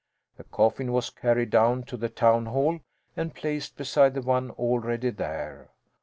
The coffin was carried down to the town hall and placed beside the one already there.